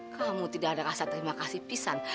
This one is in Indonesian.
kamu tidak ada rasa terima kasih pisan